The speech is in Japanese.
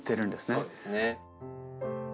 そうですね。